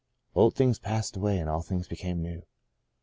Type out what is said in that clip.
Old things passed away, and all things became new.